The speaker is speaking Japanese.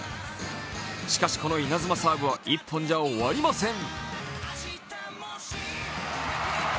しかし、この稲妻サーブは１本じゃ終わりません。